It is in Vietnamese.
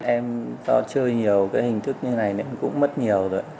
em do chơi nhiều cái hình thức như này nên cũng mất nhiều rồi